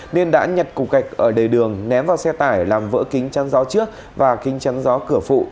nên đã nhặt cục cạch ở đề đường ném vào xe tải làm vỡ kính trắng gió trước và kính trắng gió cửa phụ